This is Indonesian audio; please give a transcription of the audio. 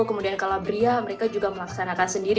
kemudian calabria mereka juga melaksanakan sendiri